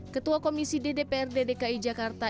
ketua komisi ddprd dki jakarta